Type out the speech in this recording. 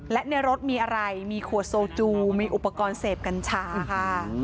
และในรถมีอะไรมีขวดโซจูมีอุปกรณ์เสพกัญชาค่ะ